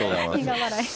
苦笑い。